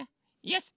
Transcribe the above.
よし！